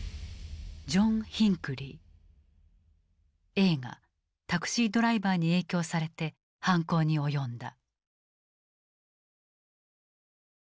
映画「タクシードライバー」に影響されて犯行に及んだ。